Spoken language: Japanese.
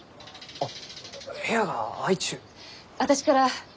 あっ。